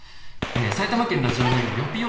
埼玉県ラジオネームよぴよ